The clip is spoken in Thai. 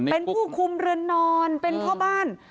เป็นผู้คุมเรือนนอนเป็นพ่อบ้าน